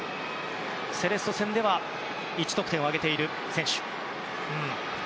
セレッソ戦で１得点を挙げています。